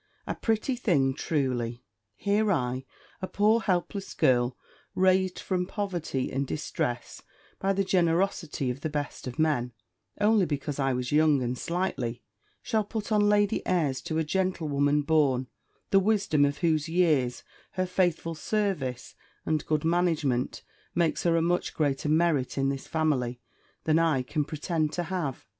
A pretty thing, truly! Here I, a poor helpless girl, raised from poverty and distress by the generosity of the best of men, only because I was young and sightly, shall put on lady airs to a gentlewoman born, the wisdom of whose years, her faithful services, and good management, make her a much greater merit in this family, than I can pretend to have!